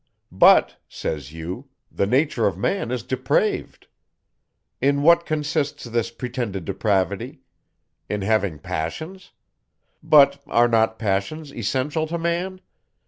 "But," say you, "the nature of man is depraved." In what consists this pretended depravity? In having passions? But, are not passions essential to man?